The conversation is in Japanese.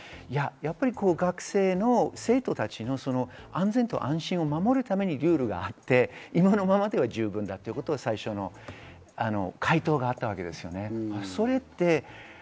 学生の生徒たちの安全と安心を守るためにルールがあって、今のままでは不十分だということを最初の回答があったわけです。